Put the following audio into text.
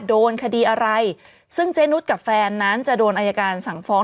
โดนคดีอะไรซึ่งเจนุสกับแฟนนั้นจะโดนอายการสั่งฟ้อง